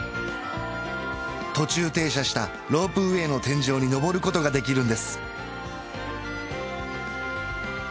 途中停車したロープウェイの天井に上ることができるんです